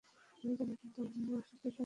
আমি জানি এখন তোমার কী প্রয়োজন।